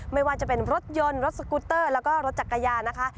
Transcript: ไม่ว่าจะเป็นรถยนต์รถสกุตเตอร์แล้วก็รถจักรยานนะคะ